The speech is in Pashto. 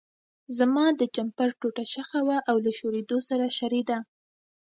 زما د جمپر ټوټه شخه وه او له شورېدو سره شریده.